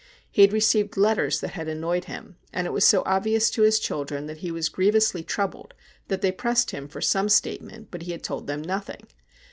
He had received letters that had annoyed him, and it was so obvious to his children that he was grievously troubled that they pressed him for some state ment, but he had told them nothing.